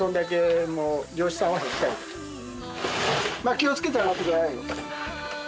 気をつけて上がってください。